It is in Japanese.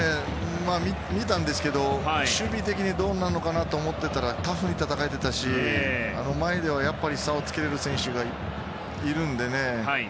見てたんですけど守備的にどうなのかなと思ったらタフに戦えてたしやっぱり前には差をつけられる選手がいるんでね。